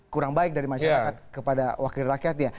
kurang baik dari masyarakat kepada wakil rakyatnya